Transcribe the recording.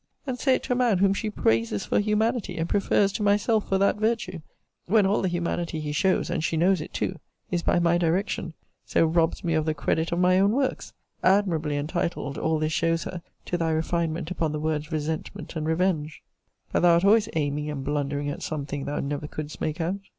and say it to a man whom she praises for humanity, and prefers to myself for that virtue; when all the humanity he shows, and she knows it too, is by my direction so robs me of the credit of my own works; admirably entitled, all this shows her, to thy refinement upon the words resentment and revenge. But thou wert always aiming and blundering at some thing thou never couldst make out.